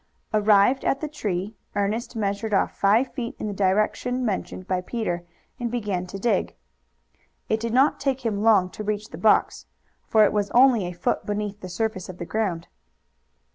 Arrived at the tree, Ernest measured off five feet in the direction mentioned by Peter and began to dig. It did not take him long to reach the box, for it was only a foot beneath the surface of the ground.